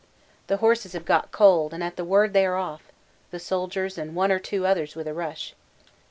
The horses have got cold and at the word they are off, the Soldier's and one or two others with a rush.